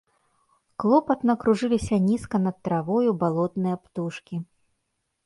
Клопатна кружыліся нізка над травою балотныя птушкі.